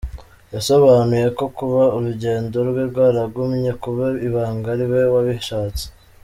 Yasobanuye ko kuba urugendo rwe rwaragumye kuba ibanga, ari we wabishatse.